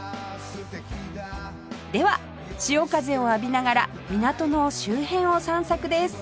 では潮風を浴びながら港の周辺を散策です